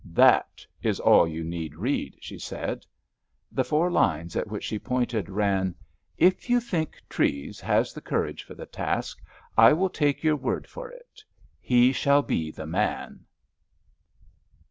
"That is all you need read," she said. The four lines at which she pointed ran: "If you think Treves has the courage for the task I will take your word for it—he shall be the man!"